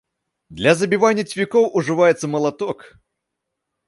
Для забівання цвікоў ужываецца малаток.